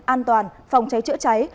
an toàn phòng cháy chữa cháy